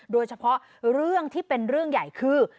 โดยเฉพาะเรื่องที่เป็นเรื่องใหญ่คือ